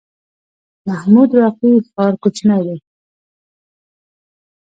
محمود راقي ښار کوچنی دی؟